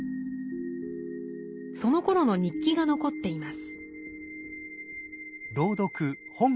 そのころの日記が残っています。